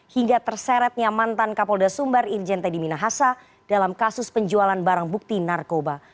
hingga terseretnya mantan kapolda sumbar irjen teddy minahasa dalam kasus penjualan barang bukti narkoba